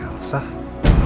bagaimana suara elsa